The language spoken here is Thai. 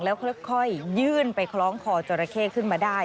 แล้วค่อยยื่นไปฟ้องคอเจอร์ระเก้ลขึ้นมาได้